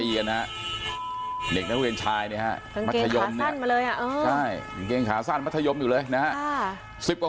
เฮ้ยโดนรถขาวแล้วมึง